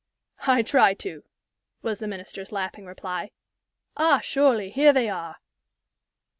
"I try to," was the Minister's laughing reply. "Ah, surely, here they are!"